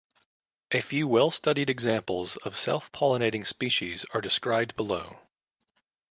A few well-studied examples of self-pollinating species are described below.